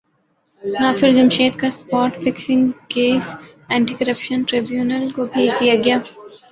ناصر جمشید کا spot fixing case anti corruption tribunal کو بھیج دیاگیا